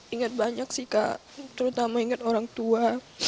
ingat banyak sih kak terutama ingat orang tua